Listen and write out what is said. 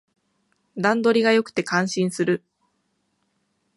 段取りが良くて感心する